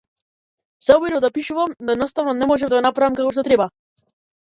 Се обидов да пишувам, но едноставно не можев да го направам како што треба.